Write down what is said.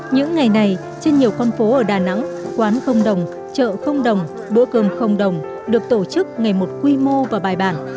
những ngày này trên nhiều con phố ở đà nẵng quán không đồng chợ không đồng bữa cơm không đồng được tổ chức ngày một quy mô và bài bản